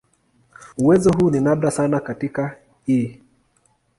Uwezo huu ni nadra sana katika "E.